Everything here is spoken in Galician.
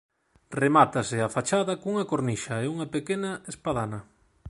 Remátase a fachada cunha cornixa e unha pequena espadana.